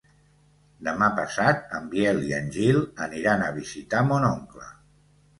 Demà passat en Biel i en Gil aniran a visitar mon oncle.